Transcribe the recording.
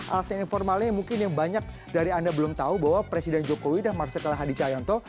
alasan informalnya mungkin yang banyak dari anda belum tahu bahwa presiden jokowi dan marsikal hadi cahyonto